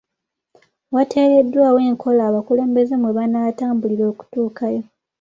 Wateereddwawo enkola abakulembeze mwe banaatambulira okutuukayo.